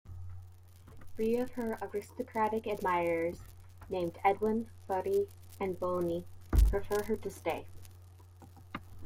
Three of her aristocratic admirers, named Edwin, Feri and Boni, prefer her to stay.